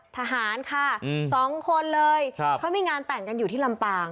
ทหารค่ะสองคนเลยเขามีงานแต่งกันอยู่ที่ลำปาง